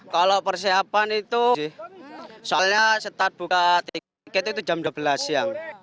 kalau persiapan itu soalnya setelah buka tiket itu jam dua belas siang